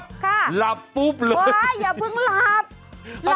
ค่ะงานพ็อหือเยอะอย่าเพิ่งหลับ